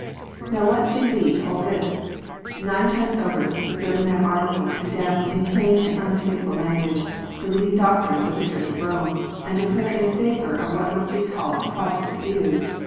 Now what shall we say to all this 1 Nine times over the Thirty nine Articles condemn, in plain and unmistakable language, the leading doctrines of the Church of Rome, and declare in favour of what must be called Protestant views.